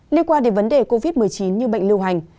liên quan đến vấn đề covid một mươi chín như bệnh lưu hành